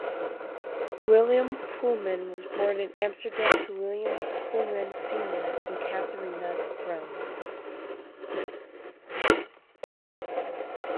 Willem Poolman was born in Amsterdam to Willem Poolman senior and Catharina Groen.